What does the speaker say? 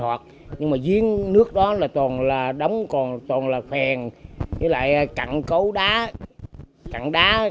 hoạt nhưng mà giếng nước đó là toàn là đóng còn toàn là phèn với lại cặn cấu đá cặn đá